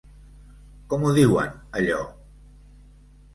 Com ho diuen, allò?